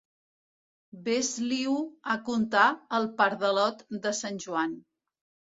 Ves-li-ho a contar al pardalot de sant Joan.